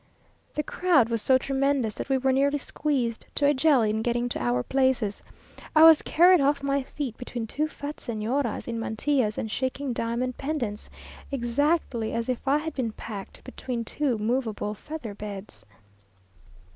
The crowd was so tremendous that we were nearly squeezed to a jelly in getting to our places. I was carried off my feet between two fat Señoras in mantillas and shaking diamond pendants, exactly as if I had been packed between two moveable feather beds.